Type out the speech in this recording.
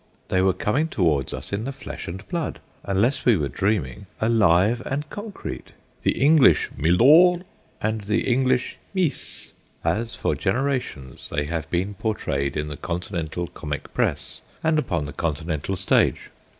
They were coming towards us in the flesh and blood, unless we were dreaming, alive and concrete the English "Milor" and the English "Mees," as for generations they have been portrayed in the Continental comic press and upon the Continental stage.